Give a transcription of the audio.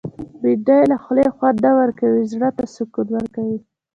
بېنډۍ له خولې خوند نه ورکوي، زړه ته سکون ورکوي